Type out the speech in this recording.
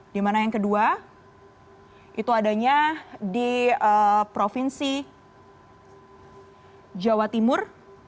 di mana yang kedua itu adanya di provinsi jawa timur